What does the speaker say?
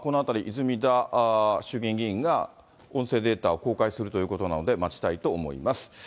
泉田衆議院議員が、音声データを公開するということなので、待ちたいと思います。